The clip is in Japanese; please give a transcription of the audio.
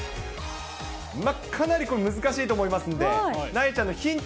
かなり難しいと思いますので、なえちゃんのヒント。